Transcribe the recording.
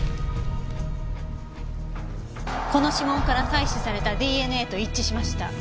この指紋から採取されたＤＮＡと一致しました。